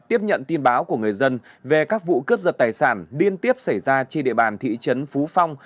tiếp nhận tin báo của người dân về các vụ cướp giật tài sản liên tiếp xảy ra trên địa bàn thị trấn phú phong